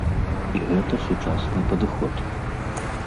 І гэта сучасны падыход.